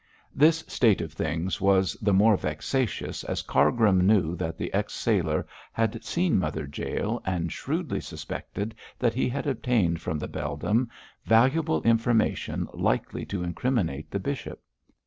This state of things was the more vexatious as Cargrim knew that the ex sailor had seen Mother Jael, and shrewdly suspected that he had obtained from the beldam valuable information likely to incriminate the bishop.